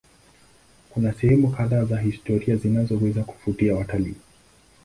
Kuna sehemu kadhaa za kihistoria zinazoweza kuvutia watalii.